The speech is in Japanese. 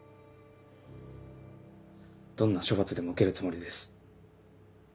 どんな処罰でも受けるつもりです。